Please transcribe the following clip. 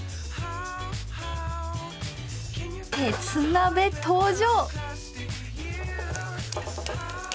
鉄鍋登場！